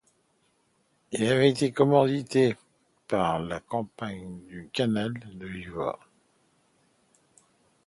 Il avait été commandité par la Compagnie du Canal de Givors.